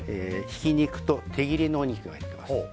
ひき肉と手切りのお肉が入っています。